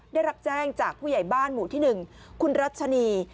ได้รับแจ้งจากผู้ใหญ่บ้านหมู่ที่๑คุณรัชนี